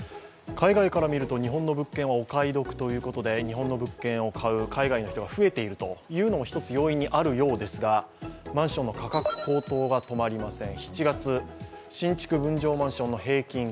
海外から見ると日本の物件はお買い得ということで日本の物件を買う海外の人が増えているというのも１つ要因にあるようですが、マンションの価格高騰が止まりません。